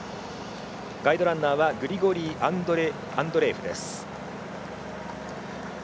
ガイドランナーはグリゴリー・アンドレエフさん。